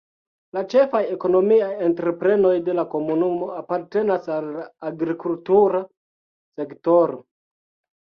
La ĉefaj ekonomiaj entreprenoj de la komunumo apartenas al la agrikultura sektoro.